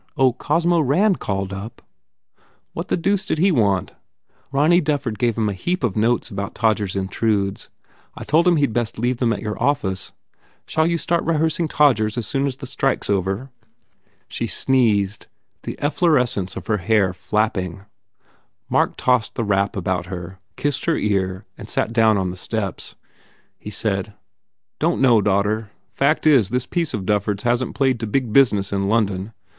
Oh, Cosmo Rand called up." "What the deuce did he want?" "Ronny Dufford gave him a heap of notes about Todgers Intrudes. I told him he d best leave them at your office. Shall you start re hearsing Todgers as soon as the strike s over?" She sneezed, the efflorescence of her hair flap ping. Mark tossed the wrap about her, kissed her ear and sat down on the steps. He said, "Don t know, daughter. Fact is, this piece of Dufford s hasn t played to big business in London.